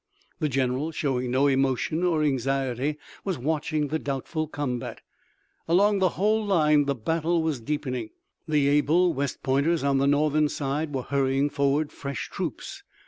The general, showing no emotion or anxiety, was watching the doubtful combat. Along the whole line the battle was deepening. The able West Pointers on the Northern side were hurrying forward fresh troops.